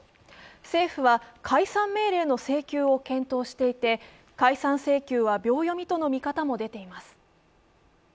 政府は解散命令の請求を検討していて解散命令は秒読みと言われています。